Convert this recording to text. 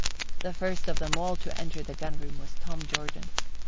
The first of them all to enter the gun room was Tom Jordan.